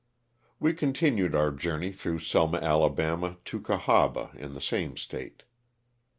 We continued our journey through Selma, Ala., to Cahaba in the same State.